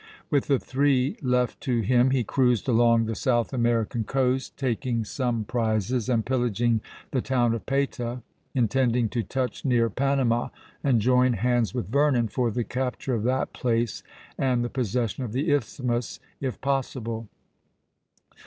With the three left to him he cruised along the South American coast, taking some prizes and pillaging the town of Payta, intending to touch near Panama and join hands with Vernon for the capture of that place and the possession of the isthmus, if possible.